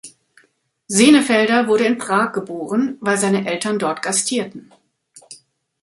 Senefelder wurde in Prag geboren, weil seine Eltern dort gastierten.